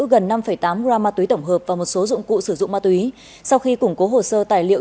gần năm tám gram ma túy tổng hợp và một số dụng cụ sử dụng ma túy sau khi củng cố hồ sơ tài liệu